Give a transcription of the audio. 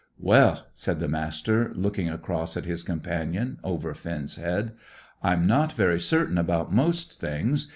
] "Well," said the Master, looking across at his companion, over Finn's head. "I'm not very certain about most things.